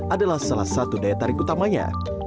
adalah salah satu daya tarik utamanya